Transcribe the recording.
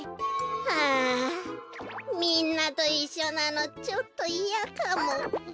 はあみんなといっしょなのちょっといやかも。